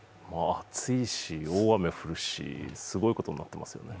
暑いし大雨降るしすごいことになってますよね。